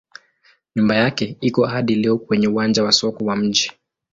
Nyumba yake iko hadi leo kwenye uwanja wa soko wa mji.